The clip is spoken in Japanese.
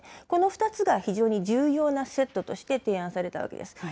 この２つが非常に重要なセットとして、提案されたわけです。